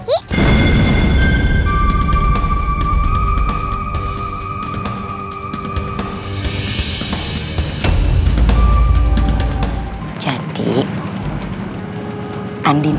innolah si andin